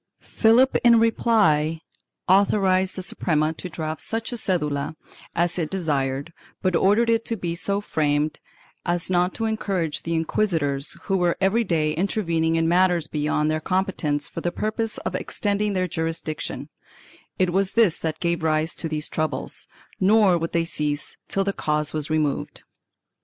Philip in reply authorized the Suprema to draft such a cedula as it desired but ordered it to be so framed as not to encourage the inquisitors, who were every day intervening in matters beyond their com petence for the purpose of extending their jurisdiction; it was this that gave rise to these troubles, nor would they cease till the cause was removed.